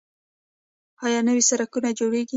آیا نوي سرکونه جوړیږي؟